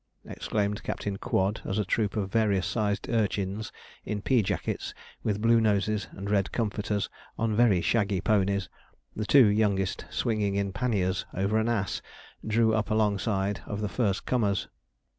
exclaimed Captain Quod, as a troop of various sized urchins, in pea jackets, with blue noses and red comforters, on very shaggy ponies, the two youngest swinging in panniers over an ass, drew up alongside of the first comers.